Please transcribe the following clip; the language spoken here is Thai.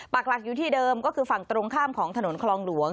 ปากหลักอยู่ที่เดิมก็คือฝั่งตรงข้ามของถนนคลองหลวง